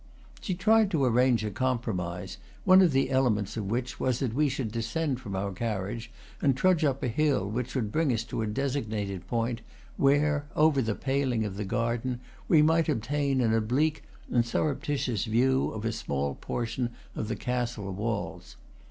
She tried to arrange a compromise, one of the elements of which was that we should descend from our carriage and trudge up a hill which would bring us to a designated point, where, over the paling of the garden, we might obtain an oblique and surreptitious view of a small portion of the castle walls.